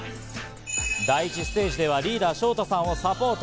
第１ステージではリーダー、ショウタさんをサポート。